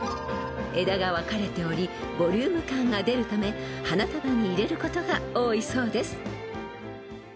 ［枝が分かれておりボリューム感が出るため花束に入れることが多いそうです］